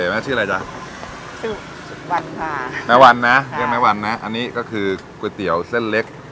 ชื่ออะไรจ้ะชื่อสุดวันค่ะแม่วันนะเรียกแม่วันนะอันนี้ก็คือก๋วยเตี๋ยวเส้นเล็ก